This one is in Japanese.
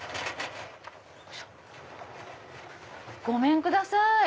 ごめんください。